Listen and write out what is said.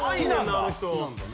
あの人。